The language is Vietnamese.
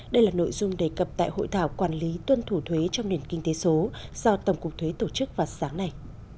đây là nội dung đề cập tại hội thảo quản lý tuân thủ thuế trong nền kinh tế số do tổng cục thuế tổ chức vào sáng nay